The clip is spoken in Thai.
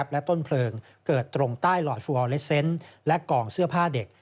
และต้นเพลิงเกิดตรงใต้หลอดฟูออเลสเซนต์และกองเสื้อผ้าเด็ก